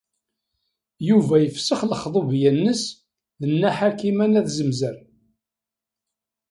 Yuba yefsex lexḍubeyya-ines d Nna Ḥakima n At Zmenzer.